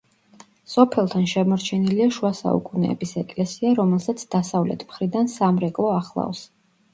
სოფელთან შემორჩენილია შუა საუკუნეების ეკლესია, რომელსაც დასავლეთ მხრიდან სამრეკლო ახლავს.